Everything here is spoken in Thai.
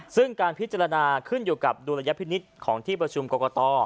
ซึ่งการพิจารณาขึ้นอยู่กับดุลยพินิษฐ์ของที่ประชุมกรกต